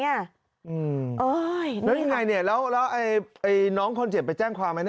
แล้วยังไงเนี่ยแล้วน้องคนเจ็บไปแจ้งความไหม